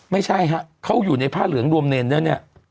ไม่ใช่ฮะเขาอยู่ในผ้าเหลืองรวมเนรแล้วเนี่ย